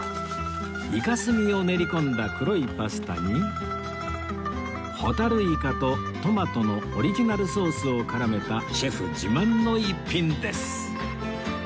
イカ墨を練り込んだ黒いパスタにホタルイカとトマトのオリジナルソースを絡めたシェフ自慢の逸品です